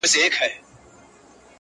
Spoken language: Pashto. ټول دردونه یې په حکم دوا کېږي!!